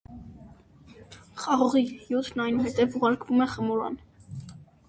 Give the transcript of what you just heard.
Խաղողի հյութն այնուհետև ուղարկվում է խմորման։